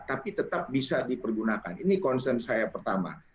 tapi tetap bisa dipergunakan ini concern saya pertama